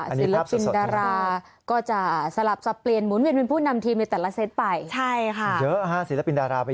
อันนี้ครับส่วนนะครับ